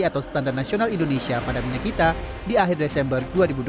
atau standar nasional indonesia pada minyak kita di akhir desember dua ribu dua puluh